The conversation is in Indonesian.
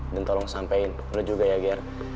dan tolong sampein lo juga ya ger